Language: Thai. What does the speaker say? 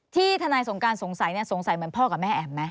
ทนายสงการสงสัยสงสัยเหมือนพ่อกับแม่แอ๋มไหม